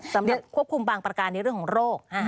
ควบคุมบางประการในเรื่องของโรค